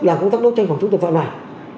là công tác đấu tranh phòng chống tội phạm này